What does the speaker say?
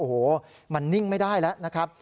โอ้โหมันนิ่งไม่ได้แล้วนะครับ